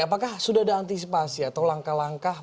oke apakah sudah ada antisipasi atau langkah langkah menentukan